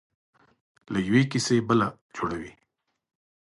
له یوې کیسې بله جوړوي.